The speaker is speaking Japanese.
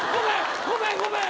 ごめんごめん。